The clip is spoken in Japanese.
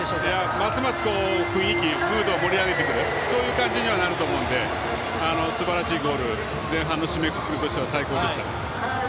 ますます雰囲気、ムードを盛り上げてくる感じにはなると思うのですばらしいゴール前半の締めくくりとしては最高でしたね。